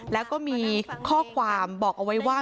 แล้วก็มีข้อความบอกเอาไว้ว่า